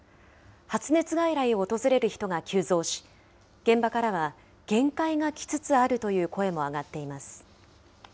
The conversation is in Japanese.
発熱外来を訪れる人が急増し、現場からは限界が来つつあるという声が上がっています。